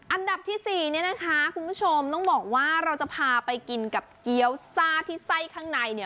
อันดับที่๔คุณผู้ชมต้องบอกว่าเราจะพาไปกินกับเกี๊ยวซ่าที่ไส้ข้างใน